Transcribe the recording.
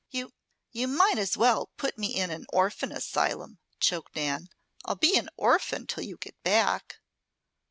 "You, you might as well put me in an orphan asylum," choked Nan. "I'll be an orphan till you get back."